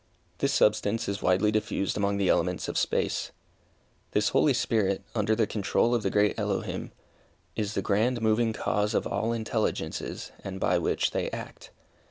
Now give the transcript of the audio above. This substance is widely diffused among the elements of space. This Holy Spirit, under the control of the Great Eloheim, is the grand moving cause of all intelligences, and by which they act.